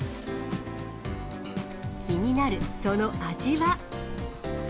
気になるその味は。